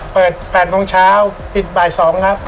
เปิด๘โมงเช้าปิดบ่าย๒ครับ